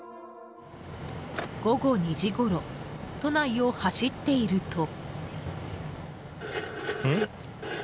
午後２時ごろ都内を走っていると。